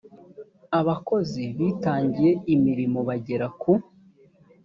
abakozi bitangiye imirimo bagera ku